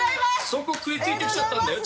そこ食いついてきちゃったんだよ